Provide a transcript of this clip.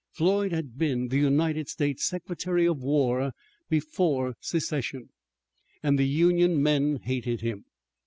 Floyd had been the United States Secretary of War before secession, and the Union men hated him.